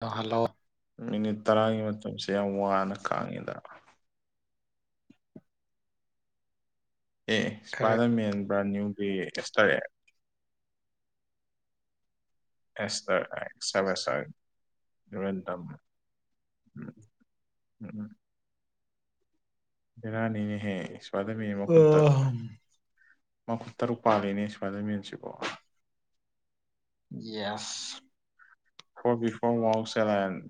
hello minute ꯇꯔꯥꯒꯤ ꯃꯇꯝꯁꯦ ꯌꯥꯝ ꯋꯥꯅ ꯈꯥꯡꯉꯤꯗ ꯑꯦ ꯏꯁꯄꯥꯏꯗꯔ ꯃꯦꯟ ꯕ꯭ꯔꯥꯟ ꯅ꯭ꯌꯨꯒꯤ ꯑꯦꯁ ꯇꯔꯛꯑꯦ ꯑꯦꯁꯇꯔ ꯑꯦꯛ ꯁ‌ꯣꯔꯤ ꯁ‌ꯣꯔꯤ ꯗꯨꯔ‌ꯦꯟꯇꯝ ꯎꯝ ꯎꯝ [unintelligible] ꯕ‌ꯦꯔꯥꯅꯤꯅꯦꯍꯦ ꯏꯁꯄꯥꯏꯗꯔ ꯃ‌ꯦꯟ ꯃꯈꯨꯠꯇ ꯃꯈꯨꯠ ꯇꯔꯨꯛ ꯄꯥꯜꯂꯤꯅꯦ ꯏꯁꯄꯥꯏꯗꯔ ꯃꯦꯟꯁꯤꯕꯣ yes for before world challenge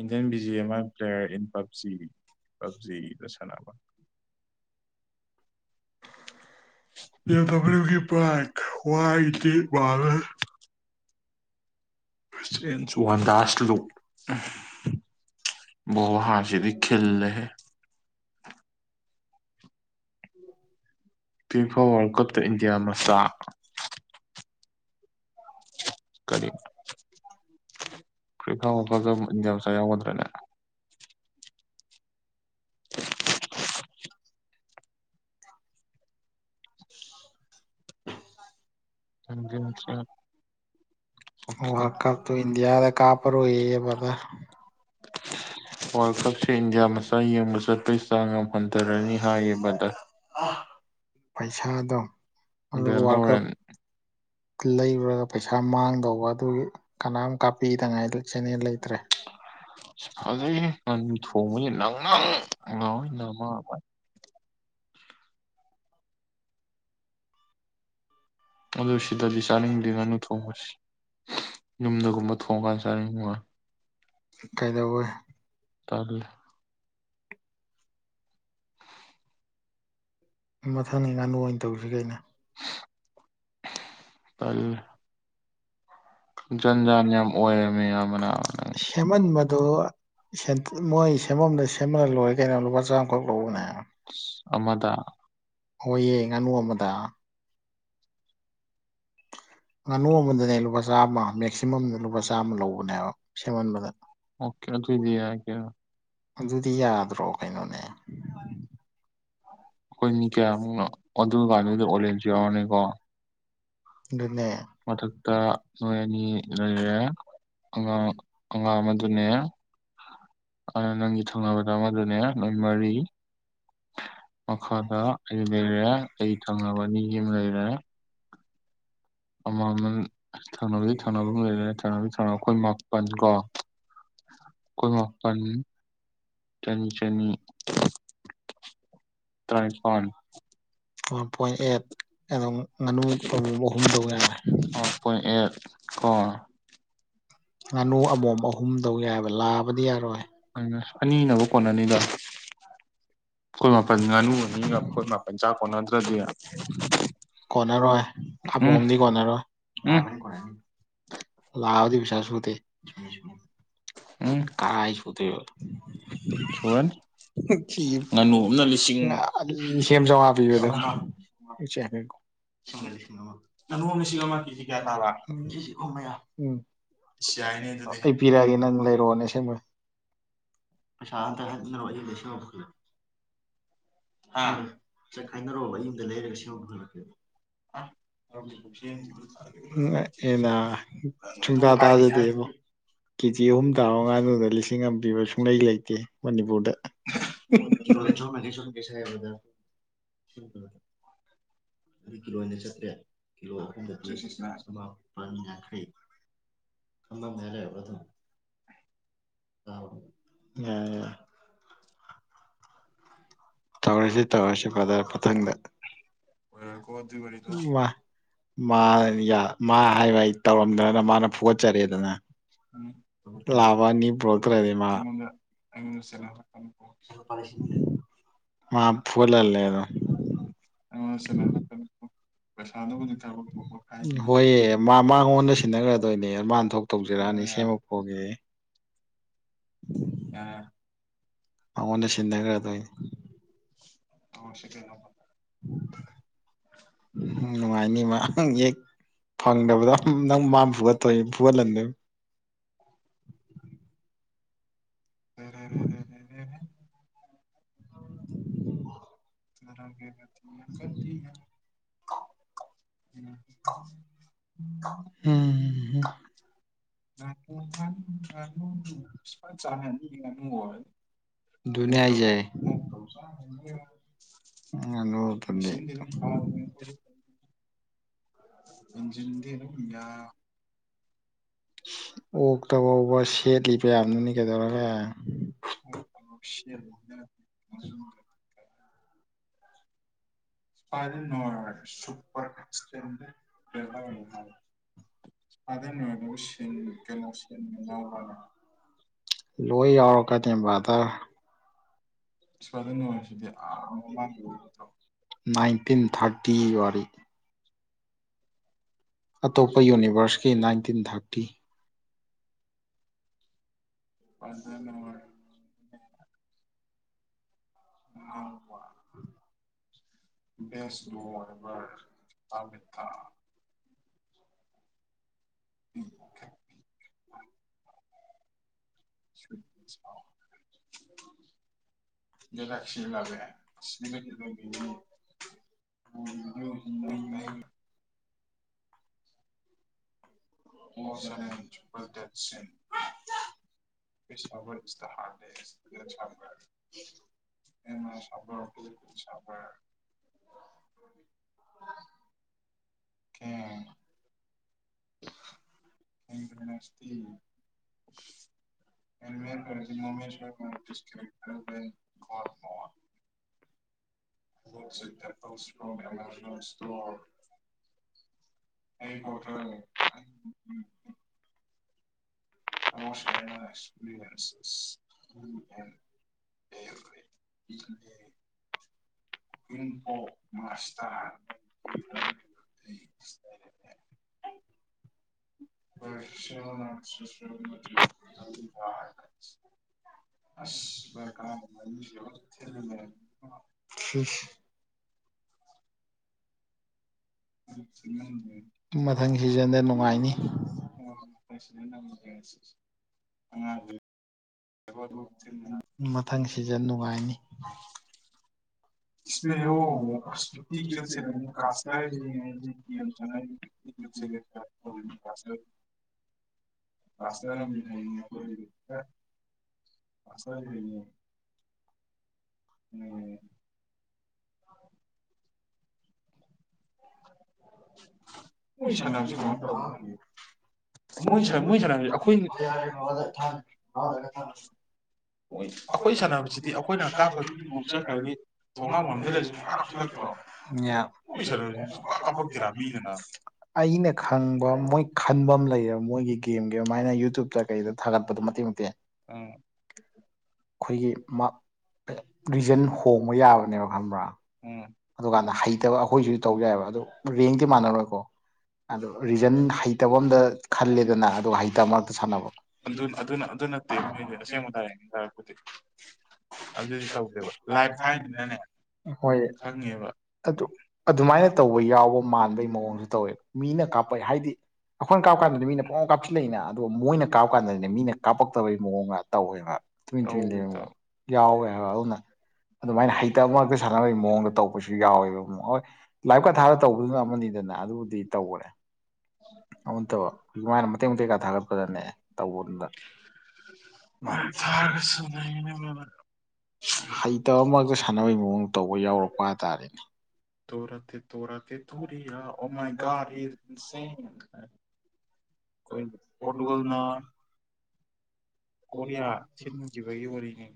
Indian B G M I player in PUBG ꯄꯞꯖꯤꯗ ꯁꯥꯟꯅꯕ [unintelligible] ꯄ꯭ꯔꯥꯏ ꯍꯋꯥꯏꯗꯤ ꯃꯥꯜꯂ‌ꯣ ꯁꯤꯗꯦꯟ ꯖ‌ꯣꯍꯟꯗꯥꯥꯁ ꯀꯤꯗ‌‌ꯣ ꯃ‌ꯣꯍꯥꯁꯤꯗꯤ ꯈꯤꯜꯂ‌ꯦꯍꯦ ꯐꯤꯐꯥ ꯋꯥꯔꯜ ꯀꯞꯇ ꯏꯟꯗꯤꯌꯥ ꯃꯆꯥ ꯀꯔꯤ ꯐꯔꯤꯐꯥ ꯋꯥꯔꯜ ꯀꯞꯇꯕꯨ ꯏꯟꯗꯤꯌꯥ ꯃꯆꯥ ꯌꯥꯎꯒꯗ꯭ꯔꯅꯦ [inaudible] [unintelligible] [unintelligible] ꯋꯥꯔꯜ ꯀꯞ ꯇ‌ꯣ ꯏꯟꯗꯤꯌꯥꯗ ꯀꯥꯄꯔ‌ꯣꯏꯌ‌ꯦ ꯕ‍꯭ꯔꯗꯔ ꯋꯥꯔꯜ ꯀꯞꯁꯦ ꯏꯟꯗꯤꯌꯥ ꯃꯆꯥ ꯌꯦꯡꯕ ꯆꯠꯄꯒꯤ ꯆꯥꯡ ꯌꯥꯝ ꯍꯟꯊꯔꯅꯤ ꯍꯥꯏꯌꯦꯕ ꯑꯗ ꯄꯩꯁꯥꯗꯣ ꯑꯗꯨꯒ ꯋꯥꯔꯜ ꯀꯞ ꯂꯩꯔꯨꯔꯒ ꯄꯩꯁꯥ ꯃꯥꯡꯗꯧꯕ ꯑꯗꯨꯒꯤ ꯀꯅꯥꯝ ꯀꯥꯞꯄꯤꯗꯉꯥꯏ ꯂꯩ ꯐꯖꯩꯍꯦ ꯉꯥꯅꯨ ꯊꯣꯡꯕꯁꯦ ꯅꯪ ꯅꯪ ꯂ‌ꯣꯏꯅꯃꯛ ꯑꯗꯨ ꯁꯤꯗꯗꯤ ꯆꯥꯅꯤꯡꯗꯦ ꯉꯥꯅꯨ ꯊꯣꯡꯕꯁꯤ ꯌꯨꯝꯗꯒꯨꯝꯕ ꯊꯣꯡꯉꯀꯥꯟꯗ ꯆꯥꯅꯤꯡꯕꯋꯥꯅꯦ ꯇꯜꯂꯦ ꯃꯊꯪꯅꯤ ꯉꯥꯅꯨ ꯑꯣꯏꯅ ꯇꯧꯁꯤ ꯀꯩꯅ ꯇꯜ ꯍꯦꯟꯃꯟꯕꯗꯨ ꯃꯣꯏ ꯁꯦꯝꯐꯝꯗ ꯁꯦꯝꯃꯂ ꯂꯣꯏꯔꯦ ꯀꯩꯅꯣ ꯂꯨꯄꯥ ꯆꯥꯝꯈꯛ ꯂꯧꯕꯅꯦ ꯑꯁ ꯑꯃꯗ ꯍꯣꯏꯌꯦ ꯉꯥꯅꯨ ꯑꯃꯗ ꯉꯥꯅꯨ ꯑꯃꯗꯅꯦ ꯂꯨꯄꯥ ꯆꯥꯝꯃ ꯃꯦꯛꯁꯤꯃꯝꯗ ꯂꯨꯄꯥ ꯆꯥꯝꯃ ꯂꯧꯕꯅꯦꯕ ꯁꯦꯝꯃꯟꯕꯗ ꯑꯣꯀꯦ ꯗꯨꯏꯗꯤ ꯌꯥꯏ ꯀꯅ‌ꯣ ꯑꯗꯨꯗꯤ ꯌꯥꯗ꯭ꯔꯣ ꯀꯩꯅꯣꯅꯦ ꯑꯩꯈꯣꯏ ꯃꯤ ꯀꯌꯥꯃꯨꯛꯅꯣ ꯑꯗꯨꯀꯥꯟꯗꯨꯗ ꯑꯣꯂꯦꯟꯁꯨ ꯌꯥꯎꯔꯅꯤꯀꯣ ꯑꯗꯨꯅꯦ ꯃꯊꯛꯇ ꯅꯣꯏ ꯑꯅꯤ ꯂꯩꯔꯦ ꯑ ꯑꯉꯥꯡ ꯑꯃꯗꯨꯅꯦ ꯑꯗꯨ ꯅꯪꯒꯤ ꯊꯪꯅꯕꯗꯣ ꯑꯃꯗꯨꯅꯦ ꯅꯣꯏ ꯃꯔꯤ ꯃꯈꯥꯗ ꯑꯩ ꯂꯩꯔꯦ ꯑꯩ ꯊꯪꯅꯕ ꯑꯅꯤ ꯑꯃ ꯂꯩꯔꯦ ꯑꯃ ꯑꯃꯜ ꯊꯪꯅꯕꯗꯨꯏ ꯊꯪꯅꯕꯝ ꯂꯩꯔꯦ ꯊꯪꯅꯕ ꯊꯪꯅꯕ ꯑꯩꯈꯣꯏ ꯃꯥꯄꯟ ꯀꯣ ꯈ‌ꯣꯏ ꯃꯥꯄꯟ ꯆꯅꯤ ꯆꯅꯤ ꯇ꯭ꯔꯥꯏꯄꯥꯟ ꯋꯥꯟ ꯄꯣꯏꯟ ꯑꯦꯠ ꯑꯗꯨꯝ ꯉꯥꯅꯨ ꯑꯍꯨꯝ ꯇꯧꯕ ꯌꯥꯔꯦ ꯋꯥꯟ ꯄꯣꯏꯟ ꯑꯦꯠ ꯀ‌ꯣ ꯉꯥꯅꯨ ꯑꯃꯣꯝ ꯑꯍꯨꯝ ꯇꯧ ꯌꯥꯏꯑꯕ ꯂꯥꯕꯗꯤ ꯌꯥꯔꯣꯏ ꯑꯅꯤꯗ ꯑꯩꯈꯣꯏ ꯃꯥꯄꯟ ꯉꯥꯅꯨ ꯑꯅꯤꯒ ꯑꯩꯈꯣꯏ ꯃꯥꯄꯟ ꯆꯥ ꯀꯣꯟꯅꯗ꯭ꯔꯗꯤ ꯀꯣꯟꯅꯔꯣꯏ ꯈꯥꯕ‌ꯣꯝꯗꯤ ꯀꯣꯟꯅꯔꯣꯏ [unintelligible] ꯂꯑꯣꯗꯤ ꯄ ꯁꯥꯁꯨꯗ ꯀꯥꯏꯁꯨ ꯇ ꯁ ꯁꯦꯝ ꯆꯥꯝꯃꯉꯥ ꯄꯤꯕꯗꯣꯣ ꯂꯤꯕ ꯂꯤꯁꯤꯡ ꯑꯃꯍ ꯂꯤꯁꯤꯡ ꯑꯃ ꯀꯦ ꯀꯌꯥ ꯇ ꯃ ꯑꯩ ꯄꯤꯔꯛꯑꯒꯦ ꯅꯪ ꯂꯩꯔꯛꯑꯣꯅꯦ ꯁꯦꯝꯕ ꯄ ꯑꯥꯟ ꯇ ꯆꯠꯈꯥꯏꯅꯔꯨꯕ ꯌꯨꯝꯗ ꯂꯩꯔꯒ ꯁꯦꯝꯃ ꯍꯂꯛꯀꯦ ꯉꯛꯑꯦꯗꯥ ꯁꯨꯡꯊꯥ ꯊꯥꯖꯗꯦꯕꯣ ꯀꯦꯖꯤ ꯑꯍꯨꯝ ꯇꯥꯕ ꯉꯥꯟꯗꯨꯗ ꯂꯤꯁꯤꯡ ꯑꯃ ꯄꯤꯕ ꯁꯨꯡꯂꯩ ꯂꯩꯇꯦ ꯃꯅꯤꯄꯨꯔꯗ [unintelligible] ꯀꯤꯂꯣ ꯑꯍꯨꯝꯗꯗꯤ ꯆꯃꯥꯄꯜ ꯌꯥꯡꯈꯩ ꯑꯃꯝꯂꯕ ꯑꯗꯨꯣ ꯑꯣ ꯇꯧꯔꯁꯤ ꯇꯧꯔꯁꯤ ꯃꯊꯪꯗ ꯎ ꯋꯥ ꯃꯥ ꯃꯥ ꯍꯥꯏꯕ ꯇꯧꯔꯝꯗꯅ ꯃꯥꯅ ꯐꯨꯒꯠꯆꯔꯦꯗꯅ ꯂꯕꯅꯤ ꯄ꯭ꯔꯣꯀ꯭ꯔꯃ ꯑꯩꯉꯣꯟꯁꯅꯔꯛꯅꯤ ꯃꯥ ꯐꯂ ꯂꯩꯔꯣ ꯑꯉ ꯁꯅ ꯄꯩꯁꯥꯗꯨꯕꯨꯗꯤ ꯀꯥꯕ ꯊꯣꯛꯄ ꯍꯥꯏꯁꯤ ꯁꯤꯟꯅꯈ꯭ꯔꯗꯣꯏꯅꯦ ꯑꯗꯨꯃꯥꯟ ꯊꯣꯛ ꯇꯧꯖꯔꯛꯑꯅꯤ ꯁꯦꯝꯃꯛꯄꯒꯤ ꯑ ꯑꯉꯣꯟꯗ ꯁꯤꯟꯗꯌꯥ ꯀꯔ ꯇꯤ ꯑ ꯁꯤ ꯀꯥꯏ [unintelligible] ꯎ ꯅꯨꯡꯉꯥꯏꯅꯤ ꯃꯥꯪ ꯌꯦ ꯐꯪꯗꯕꯗ ꯅꯪ ꯃꯥꯝ ꯐꯒꯠꯇꯣꯛꯏ ꯐꯍ ꯂꯗ ꯍꯔꯦꯔꯦ [unintelligible] ꯑ [unintelligible] [unintelligible] [inaudible] ꯎꯝ [unintelligible] [inaudible] ꯅ ꯍꯥꯏꯖꯦꯅ ꯃ [unintelligible] ꯑꯟꯖꯤ ꯍꯗꯤꯅ ꯑꯣꯛꯇ ꯐꯥꯎꯕ ꯁꯦꯠꯂꯤꯕꯌꯥꯝꯗꯨꯅꯤ ꯀꯩꯗꯧꯔꯒ ꯁꯤ ꯑ ꯁꯨꯄꯔ ꯑꯦꯛꯁ ꯑꯗꯨꯅꯣ ꯍꯧꯣꯏꯁ ꯂꯣꯏ ꯑꯔ ꯀ ꯇꯦꯝꯕꯥꯗ ꯇ ꯅꯥꯏꯟꯇꯤꯟ ꯊꯥꯔꯇꯤ ꯋꯥꯔꯤ ꯑꯇꯣꯞꯄ ꯌꯨꯅꯤꯕꯔꯁꯀꯤ ꯅꯥꯏꯟꯇꯤꯟ ꯊꯥꯔꯇꯤ ꯄꯖꯅ ꯑꯣꯏꯔ ꯦꯁ ꯔꯕꯔ ꯇꯠꯇ ꯎꯝ ꯁ [unintelligible] ꯌꯦ ꯂ ꯀꯈꯤ ꯂꯕ ꯁꯤ ꯑꯣ ꯑ ꯍ [unintelligible] ꯑꯣꯁꯔꯦꯟꯖ ꯗꯦꯠ ꯁꯟ ꯄꯦꯁꯕꯔ ꯏꯁꯇꯍꯥꯅꯦ ꯑꯦꯃ ꯁꯕꯔꯗꯤ ꯈꯨꯗꯤ ꯆꯕꯔ ꯍ ꯇ ꯈꯔ ꯃꯃ ꯀ ꯐ ꯁ ꯂꯦꯞꯇꯣꯞ ꯁꯇꯣ ꯑꯦꯃꯦꯖꯣꯟ ꯁꯇꯣ ꯑꯩ ꯐꯣꯇ꯭ꯔ ꯎꯝ ꯑꯁꯦ [unintelligible] [unintelligible] [unintelligible] ꯂꯨꯄꯥ ꯂꯤꯁꯤꯡ ꯑꯃ [unintelligible] ꯑꯁ [unintelligible] [unintelligible] ꯃꯊꯪ ꯁꯤꯖꯟꯗ ꯅꯨꯡꯉꯥꯏꯅꯤ [unintelligible] [unintelligible] ꯏꯁ ꯀꯔꯤꯅꯣ [unintelligible] [unintelligible] [inaudible] [unintelligible] [unintelligible] ꯑꯩ [unintelligible] [unintelligible] ꯍꯣꯏ ꯑꯩꯈꯣꯏ ꯁꯥꯟꯅꯕꯁꯤꯗꯤ ꯑꯩꯈꯣꯏꯅ ꯀꯥꯞꯄꯗꯨꯗꯤ ꯃꯨꯞ ꯆꯠꯈ꯭ꯔꯅꯤ ꯊꯣꯡꯅꯥꯎ ꯉꯝꯖꯜꯂꯖꯨ ꯄꯨꯔꯥ ꯉꯛꯇ꯭ꯔꯣ ꯃꯣꯏ [unintelligible] ꯁꯨꯡꯀꯥꯞ ꯀꯥꯞꯄꯛꯇꯦꯗ [unintelligible] ꯑꯩꯅ ꯈꯪꯕ ꯃꯣꯏ ꯈꯟꯕ ꯑꯝ ꯂꯩꯌꯦꯕ ꯃꯣꯏꯒꯤ ꯒꯦꯝꯒꯤ ꯑꯃꯥꯏꯅ ꯌꯨꯇꯨꯕꯇ ꯀꯩꯗ ꯊꯥꯒꯠꯄꯗꯣ ꯃꯇꯦꯛ ꯃꯇꯦꯛ ꯑꯥ ꯑꯩꯈꯣꯏꯒꯤ ꯃꯥꯞ ꯔꯤꯖꯟ ꯍꯣꯡꯕ ꯌꯥꯕꯅꯦꯕ ꯈꯪꯕ꯭ꯔꯥ ꯎꯝ ꯑꯗꯨꯀꯥꯟꯗ ꯍꯩꯇꯕ ꯑꯩꯈꯣꯏꯁꯨ ꯇꯧ ꯌꯥꯏꯑꯦꯕ ꯑꯗꯨ ꯔꯦꯡꯇꯤ ꯃꯥꯟꯅꯔꯣꯏꯀꯣ ꯑꯗꯣ ꯔꯤꯖꯟ ꯍꯩꯇꯕ ꯑꯝꯗ ꯈꯜꯂꯦꯗꯅ ꯑꯗꯨꯒ ꯍꯩꯇꯕ ꯃꯔꯛꯇ ꯁꯥꯟꯅꯕ ꯑꯗꯨꯝ ꯑꯗꯨꯅ ꯑꯗꯨ ꯅꯠꯇꯦ ꯃꯣꯏꯗꯤ ꯑꯁꯦꯡꯕ ꯗꯥꯏꯔꯦꯛꯅꯦ ꯇꯥꯔꯛꯄꯨꯗꯤ ꯑꯗꯨꯗꯤ ꯇꯧꯗꯦꯕ ꯂꯥꯏꯐ ꯊꯥꯏꯅꯤꯅꯅꯦ ꯍꯣꯏ ꯈꯪꯗꯦꯕ ꯑꯗꯨ ꯑꯗꯨꯃꯥꯏꯅ ꯇꯧꯕ ꯌꯥꯎꯕ ꯃꯥꯟꯕꯩ ꯃꯑꯣꯡꯁꯨ ꯇꯧꯋꯦ ꯃꯤꯅ ꯀꯥꯞꯄꯩ ꯍꯥꯏꯗꯤ ꯑꯩꯈꯣꯏꯅ ꯀꯥꯞꯀꯥꯟꯗꯗꯤ ꯃꯤꯅ ꯄꯨꯡꯀꯥꯞ ꯀꯥꯞꯁꯤ ꯂꯩꯅ ꯑꯗꯣ ꯃꯣꯏꯅ ꯀꯥꯞꯀꯥꯟꯗꯅꯤꯅꯦ ꯃꯤꯅ ꯀꯥꯞꯄꯛꯇꯕꯒꯤ ꯃꯑꯣꯡꯒ ꯇꯧꯋꯦꯕ ꯇꯨꯃꯤꯟ ꯇꯨꯃꯤꯟ ꯂꯩꯕꯩ ꯃꯑꯣꯡ ꯌꯥꯎꯋꯦ ꯍꯥꯏꯕ ꯑꯗꯨꯅ ꯑꯗꯨꯃꯥꯏꯅ ꯍꯩꯇ ꯃꯔꯛꯇ ꯁꯥꯟꯅꯕꯒꯤ ꯃꯑꯣꯡꯗ ꯇꯧꯕꯁꯨ ꯌꯥꯎꯋꯦꯕ ꯑꯃꯨꯛ ꯍꯣꯏ ꯂꯥꯏꯐꯀ ꯊꯥꯔꯥ ꯇꯧꯕꯗꯨꯅ ꯑꯃꯅꯤꯗꯅ ꯑꯗꯨꯕꯨꯗꯤ ꯇꯧꯕꯅꯦ ꯑꯗꯨ ꯅꯠꯇꯕ ꯃꯥꯅ ꯃꯇꯦꯛ ꯃꯇꯦꯛ ꯀꯥ ꯊꯥꯒꯠꯄꯗꯅꯦ ꯇꯧꯒꯟꯕ ꯂꯥꯏꯐ ꯊꯥꯔꯒꯁꯨꯅꯦ ꯃꯤ ꯑꯃꯅ ꯍꯩꯇꯕ ꯃꯔꯛꯇ ꯁꯥꯟꯅꯕꯒꯤ ꯃꯑꯣꯡ ꯇꯧꯕ ꯌꯥꯎꯔꯛꯄ ꯍꯥꯏꯇꯥꯔꯦꯅꯦ ꯇꯣꯔꯠꯇ ꯇꯣꯔꯠꯇꯦ ꯇꯨꯔꯤꯌꯥ ꯑꯣ ꯃꯥꯏ [unintelligible] ꯈꯣꯏꯅ ꯄꯣꯔꯇꯨꯒꯜꯅ ꯀꯣꯔꯤꯌꯥ ꯁꯤꯟꯈꯤꯕꯒꯤ ꯋꯥꯔꯤꯅꯤ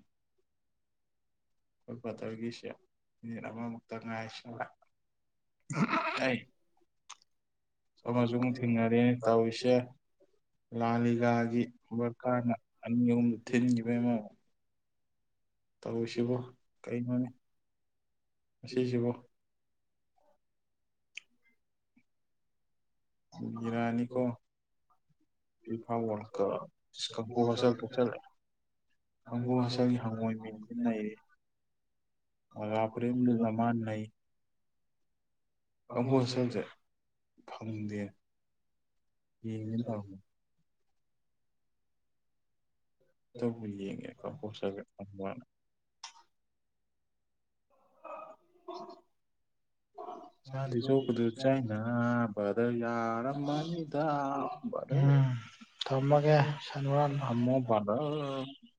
ꯈꯣꯏ ꯕ꯭ꯔꯗꯔꯒꯤꯁꯦ ꯃꯤꯅꯤꯠ ꯑꯃꯃꯨꯛꯇ ꯉꯥꯏꯁꯜꯂꯦ ꯑꯩ ꯑꯃꯖꯨ ꯑꯃꯨꯛ ꯊꯦꯡꯅꯔꯦꯅꯦ ꯇꯧꯔꯤꯁꯦ ꯂꯥꯂꯤꯒꯥꯥꯒꯤ ꯕꯥꯔꯀꯥꯔꯅ ꯑꯅꯤ ꯑꯍꯨꯝꯃꯨꯛ ꯊꯤꯟꯒꯤꯕꯩ ꯑꯃꯃꯨꯛ ꯇꯧꯔꯤꯁꯤꯕꯨ ꯀꯩꯅꯣꯅꯦ ꯉꯁꯤꯁꯤꯕꯨ ꯕꯤꯔꯥꯅꯤꯀꯣ ꯐꯤꯐꯥ ꯋꯥꯔꯜ ꯀꯞ ꯏꯁ ꯀꯟꯇ꯭ꯔꯣꯚꯔꯁꯦꯜ ꯊꯣꯛꯆꯜꯂꯛꯑꯦ ꯀꯝꯕꯣꯍꯜꯁꯜꯒꯤ ꯍꯪꯉꯣꯏ ꯃꯦꯟꯗꯤ ꯅꯩꯔꯦ ꯃꯣꯖꯥ ꯐꯨꯔꯤꯠ ꯑꯝ ꯂꯤꯠꯂ ꯃꯥ ꯅꯩ ꯀꯝꯄꯣꯖꯤꯁꯟꯖꯦ ꯐꯪꯗꯦ ꯌꯦꯡꯒꯦꯅ ꯇꯧꯔꯝꯕꯅꯤ [unintelligible] [unintelligible] ꯆꯥꯟꯗꯤ ꯆꯣꯛꯄꯗꯨ ꯆꯥꯏꯅꯥ ꯕ꯭ꯔꯥꯗꯔ ꯌꯥꯔꯝꯃꯅꯤꯗ ꯕ꯭ꯔꯥꯗꯔ [unintelligible]